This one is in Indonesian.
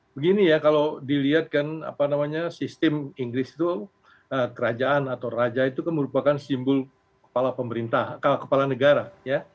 begini ya kalau dilihat kan apa namanya sistem inggris itu kerajaan atau raja itu kan merupakan simbol kepala pemerintah kepala negara ya